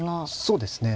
そうですね。